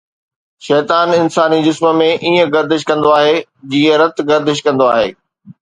شيطان انساني جسم ۾ ائين گردش ڪندو آهي جيئن رت گردش ڪندو آهي